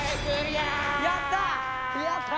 やった！